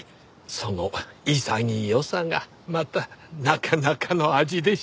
その潔さがまたなかなかの味でして。